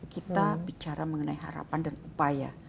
kita bicara mengenai harapan dan upaya